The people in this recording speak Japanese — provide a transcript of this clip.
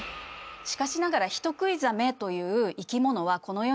しかしながら人喰いザメという生き物はこの世に存在しません。